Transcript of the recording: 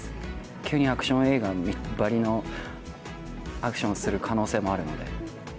急にアクション映画ばりのアクションをする可能性もあるので。